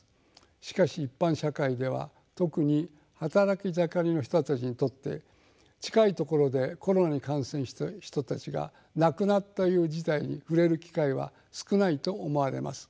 しかし一般社会では特に働き盛りの人たちにとって近いところでコロナに感染した人たちが亡くなったという事態に触れる機会は少ないと思われます。